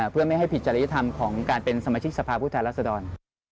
เพื่อไม่ให้ผิดจริยธรรมของการเป็นสมาชิกสภาพผู้แทนรัศดร